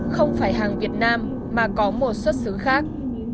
không phải hàng việt nam mà có một xuất xứ khác